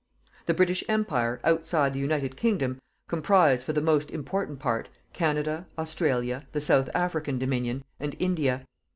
The British Empire, outside the United Kingdom, comprise, for the most important part, Canada, Australia, the South African Dominion, and India.